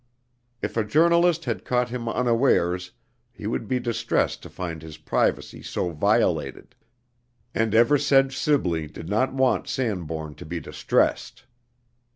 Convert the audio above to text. If a journalist had caught him unawares, he would be distressed to find his privacy so violated; and Eversedge Sibley did not want Sanbourne to be distressed.